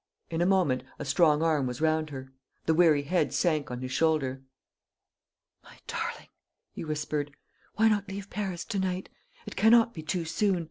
In a moment a strong arm was round her. The weary head sank on his shoulder. "My darling," he whispered, "why not leave Paris to night? It cannot be too soon.